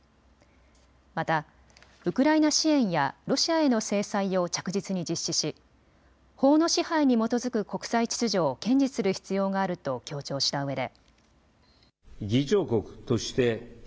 またウクライナ支援やロシアへの制裁を着実に実施し法の支配に基づく国際秩序を堅持する必要があると強調したうえで。